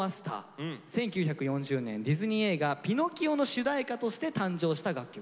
１９４０年ディズニー映画「ピノキオ」の主題歌として誕生した楽曲です。